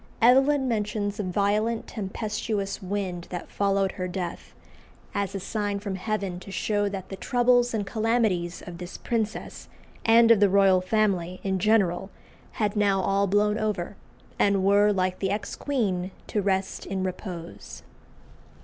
Evelyn mentions a violent tempestuous wind that followed her death, as a sign from Heaven to show that the troubles and calamities of this princess and of the royal family in general had now all blown over, and were, like the ex queen, to rest in repose.